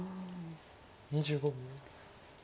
２５秒。